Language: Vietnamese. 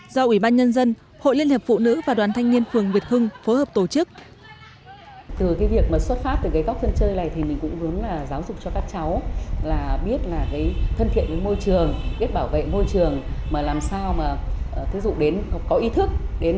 do ủy ban nhân dân hội liên hiệp phụ nữ và đoàn thanh niên phường việt hưng phối hợp tổ chức